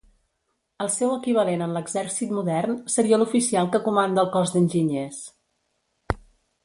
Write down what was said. El seu equivalent en l'exèrcit modern seria l'oficial que comanda el cos d'enginyers.